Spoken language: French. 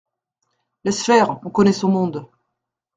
Laisse faire, on connaît son monde…